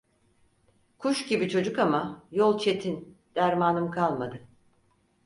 Kuş gibi çocuk ama, yol çetin, dermanım kalmadı…